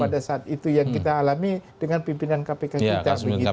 pada saat itu yang kita alami dengan pimpinan kpk kita